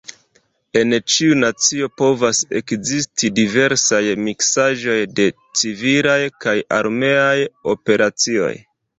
En ĉiu nacio povas ekzisti diversaj miksaĵoj de civilaj kaj armeaj operacioj.